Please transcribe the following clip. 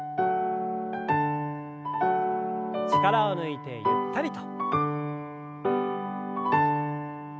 力を抜いてゆったりと。